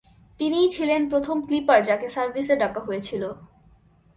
তিনিই ছিলেন প্রথম ক্লিপার যাকে সার্ভিসে ডাকা হয়েছিল।